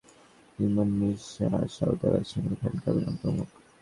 এতে আরও অভিনয় করেছেন ইমন, মিশা সওদাগর, শিমুল খান, কাবিলা প্রমুখ।